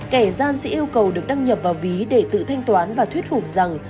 kẻ gian sẽ yêu cầu được đăng nhập vào ví để tự thanh toán và thuyết phục rằng